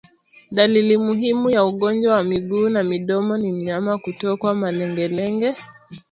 Dalili muhimu ya ugonjwa wa miguu na midomo ni mnyama kutokwa malengelenge